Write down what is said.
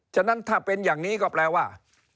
ฉะนั้นถ้าเป็นอย่างนี้ก็แปลว่า